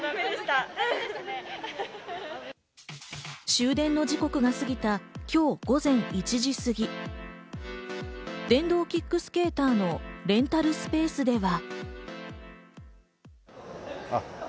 終電の時刻が過ぎた今日午前１時過ぎ、電動キックスケーターのレンタルスペースでは。